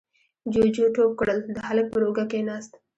جُوجُو ټوپ کړل، د هلک پر اوږه کېناست: